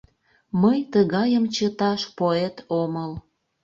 Мый тыгайым чыташ поэт омыл